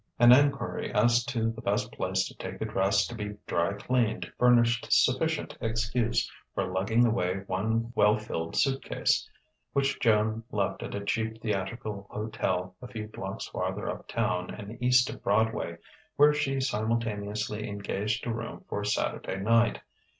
An enquiry as to the best place to take a dress to be dry cleaned furnished sufficient excuse for lugging away one well filled suit case, which Joan left at a cheap theatrical hotel a few blocks farther uptown and east of Broadway, where she simultaneously engaged a room for Saturday night.